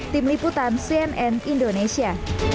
tim liputan cnn indonesia